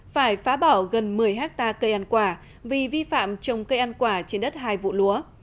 phải phá bỏ gần một mươi hectare cây ăn quả vì vi phạm trồng cây ăn quả trên đất hai vụ lúa